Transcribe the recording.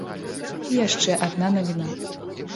І яшчэ адна навіна.